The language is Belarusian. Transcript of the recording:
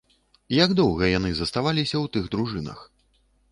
Як доўга яны заставаліся ў тых дружынах?